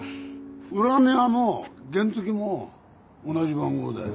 裏庭の原付きも同じ番号だよ。